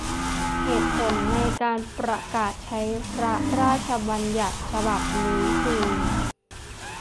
เหตุผลในการประกาศใช้พระราชบัญญัติฉบับนี้ คือ